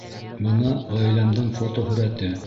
Бына ғаиләмдең фотоһүрәте